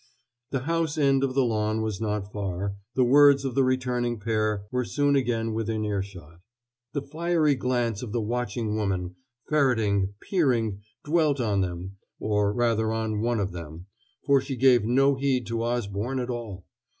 The house end of the lawn was not far, the words of the returning pair were soon again within earshot. The fiery glance of the watching woman, ferreting, peering, dwelt on them or rather on one of them, for she gave no heed to Osborne at all.